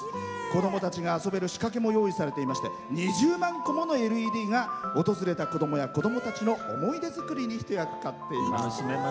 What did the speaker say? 子供たちが遊べる仕掛けも用意されていまして２０万個ものＬＥＤが訪れた子供たちの思い出作りに一役買っています。